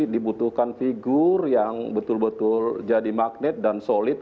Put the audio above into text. dibutuhkan figur yang betul betul jadi magnet dan solid